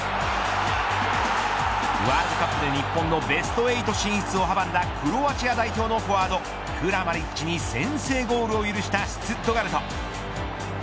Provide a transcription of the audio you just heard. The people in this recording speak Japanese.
ワールドカップで日本のベスト８進出を阻んだクロアチア代表のフォワードクラマリッチに先制ゴールを許したシュツットガルト。